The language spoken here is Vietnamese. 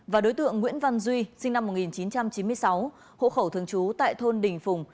và đối tượng nguyễn văn duy sinh năm một nghìn chín trăm chín mươi sáu hộ khẩu thường trú tại thôn đình phùng